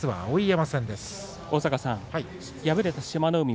敗れた志摩ノ海。